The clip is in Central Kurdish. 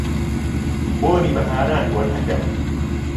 بۆنی بەهاران بۆن ئەکەم